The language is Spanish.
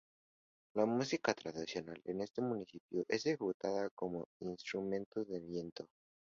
La música tradicional de este municipio es ejecutada con instrumentos de viento.